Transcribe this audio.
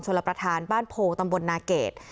ชนวรประธานบ้านพวงตำบลนาเกษ